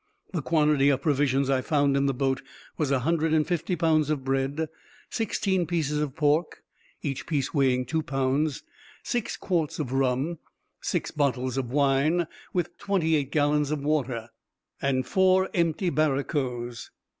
The quantity of provisions I found in the boat was a hundred and fifty pounds of bread, sixteen pieces of pork, each piece weighing two pounds, six quarts of rum, six bottles of wine, with twenty eight gallons of water, and four empty barrecoes.